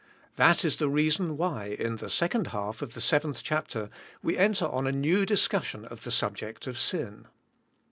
That is the reason why, in the second half of the seventh chapter, we enter on a new discussion of the subject of sin.